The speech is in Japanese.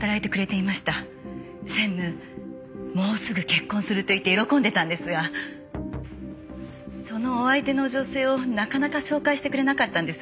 もうすぐ結婚すると言って喜んでたんですがそのお相手の女性をなかなか紹介してくれなかったんです。